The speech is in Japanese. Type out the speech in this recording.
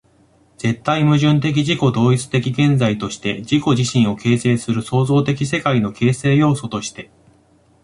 絶対矛盾的自己同一的現在として、自己自身を形成する創造的世界の形成要素として、